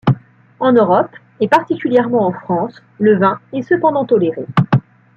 En Europe, et particulièrement en France, le vin est cependant toléré.